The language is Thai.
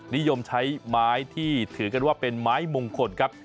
นิยมใช้ไม้ที่ถือกันว่าเป็นไม้มงคลครับ